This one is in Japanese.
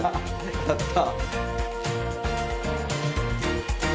やった。